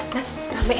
nanti ramai ya